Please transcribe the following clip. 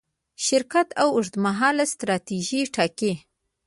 شرکت اوږدمهاله ستراتیژي ټاکي.